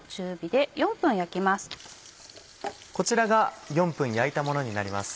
こちらが４分焼いたものになります。